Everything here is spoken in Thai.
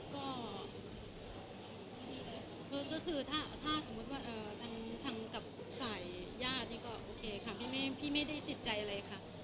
ก็ก็คือถ้าถ้าสมมุติว่าเอ่อทางกับสายญาตินี่ก็โอเคค่ะพี่ไม่พี่ไม่ได้ติดใจอะไรค่ะ